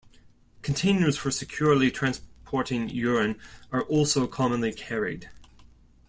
Containers for securely transporting urine are also commonly carried.